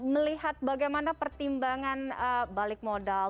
melihat bagaimana pertimbangan balik modal